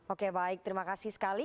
oke baik terima kasih sekali